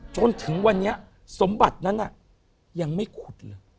จนถึงวันนี้สมบัตินั้นยังไม่ขุดเลย